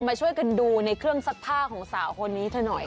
มาช่วยกันดูในเครื่องซักผ้าของสาวคนนี้เธอหน่อย